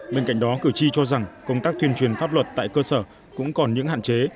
bên cạnh đó cử tri cho rằng công tác tuyên truyền pháp luật tại cơ sở cũng còn những hạn chế